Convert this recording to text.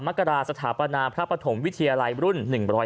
มกราสถาปนาพระปฐมวิทยาลัยรุ่น๑๐